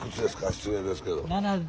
失礼ですけど。